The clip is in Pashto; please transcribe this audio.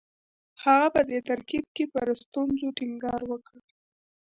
هغه په دې ترکیب کې پر ستونزو ټینګار وکړ